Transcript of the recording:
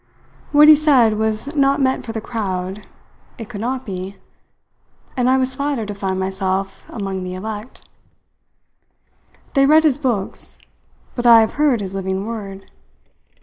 What he said was not meant for the crowd; it could not be; and I was flattered to find myself among the elect. They read his books, but I have heard his living word.